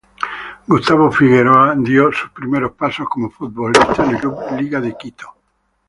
Gustavo Figueroa dio sus primeros pasos como futbolista en el club Liga de Quito.